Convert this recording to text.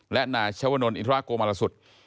และนายชวนลอิทราโกมรสุทธิ์